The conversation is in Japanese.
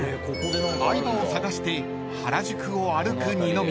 ［相葉を捜して原宿を歩く二宮］